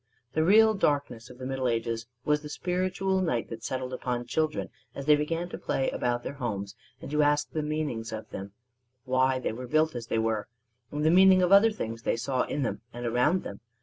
The real darkness of the Middle Ages was the spiritual night that settled upon children as they began to play about their homes and to ask the meanings of them why they were built as they were and the meaning of other things they saw in them and around them.